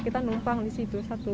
kita numpang di situ